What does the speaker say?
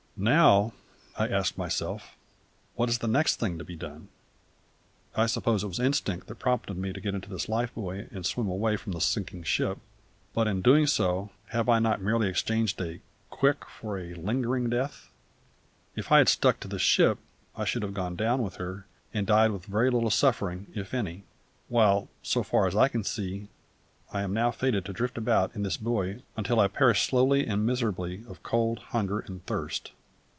"Now," I asked myself, "what is the next thing to be done? I suppose it was instinct that prompted me to get into this life buoy and swim away from the sinking ship; but in doing so have I not merely exchanged a quick for a lingering death? If I had stuck to the ship I should have gone down with her, and died with very little suffering, if any; while, so far as I can see, I am now fated to drift about in this buoy until I perish slowly and miserably of cold, hunger, and thirst."